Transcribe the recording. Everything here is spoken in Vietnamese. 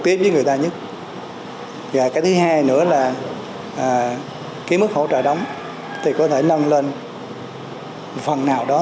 tiếp với người ta nhất và cái thứ hai nữa là cái mức hỗ trợ đóng thì có thể nâng lên phần nào đó